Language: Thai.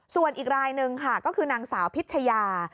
ส่วนอีกรายหนึ่งค่ะก็คือนางสาวพิชยา